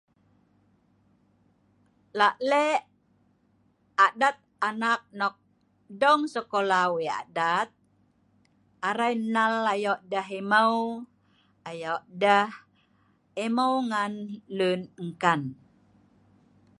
lak lek adat anak nok dong sekola weik adat arai nal ayok deh emau ayok deh emau ngan lun engkan